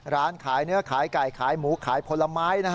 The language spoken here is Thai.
ร้านขายเนื้อขายไก่ขายหมูขายผลไม้